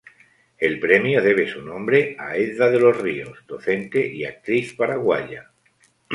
El premio debe su nombre a Edda de los Ríos, docente y actriz paraguaya.